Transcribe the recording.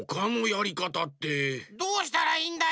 どうしたらいいんだよ。